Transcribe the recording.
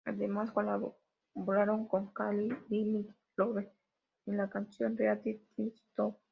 Además colaboraron con Carl Wilson y Mike Love en la canción "Leaving This Town".